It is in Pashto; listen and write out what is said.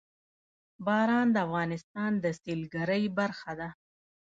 باران د افغانستان د سیلګرۍ برخه ده.